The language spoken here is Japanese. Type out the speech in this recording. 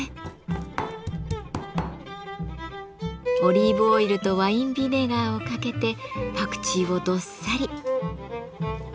オリーブオイルとワインビネガーをかけてパクチーをどっさり。